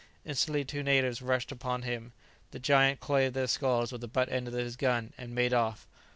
Instantly two natives rushed upon him. The giant clave their skulls with the butt end of his gun, and made off.